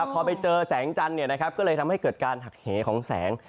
พอไปเจอแสงจันทร์ก็เลยทำให้เกิดการหักเหของแสง